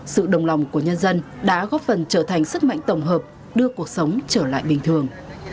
sự đồng lòng của nhân dân đã góp phần trở thành sức mạnh tổng hợp đưa cuộc sống trở lại bình thường